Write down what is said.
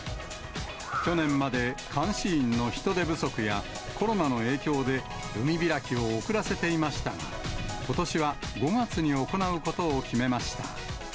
去年まで監視員の人手不足や、コロナの影響で海開きを遅らせていましたが、ことしは５月に行うことを決めました。